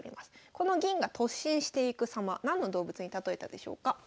この銀が突進していくさま何の動物に例えたでしょうか。